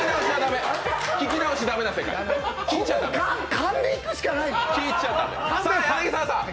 勘でいくしかないの。